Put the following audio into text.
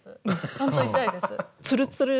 ちゃんと痛いです。